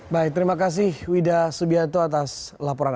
baik terima kasih widha subianto atas laporan ini